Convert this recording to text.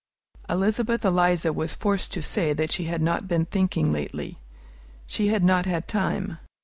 Elizabeth Eliza was forced to say she had not been thinking lately. She had not had time.